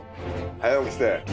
早起きして。